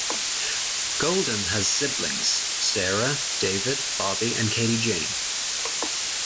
Goldin has siblings: Sarah, David, Bobby and Katie-Jane.